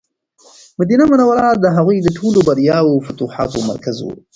مدینه منوره د هغوی د ټولو بریاوو او فتوحاتو مرکز و.